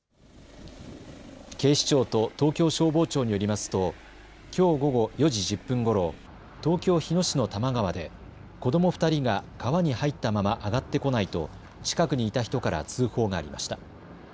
警視庁と東京消防庁によりますときょう午後４時１０分ごろ東京日野市の多摩川で子ども２人が川に入ったままあがってこないと近くにいた人から通報がありました。